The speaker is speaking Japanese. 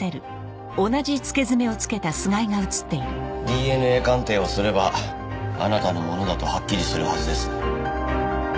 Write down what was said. ＤＮＡ鑑定をすればあなたのものだとはっきりするはずです。